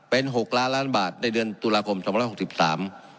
เป็นหกล้านล้านบาทในเดือนตุลาคมสองพันร้อยหกสิบสาม